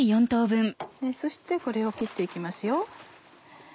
そしてこれを切って行きますよ。